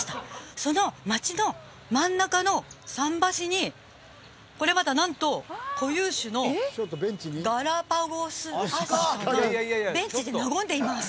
その街の真ん中の桟橋にこれまたなんと固有種のガラパゴスアシカがベンチで和んでいます